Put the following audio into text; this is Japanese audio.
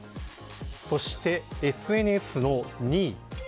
そしてＳＮＳの２位。